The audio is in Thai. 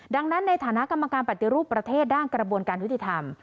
ดังนั้นในฐานะกรรมการปฏิรูปประเทศด้านกระบวนการยุติธรรม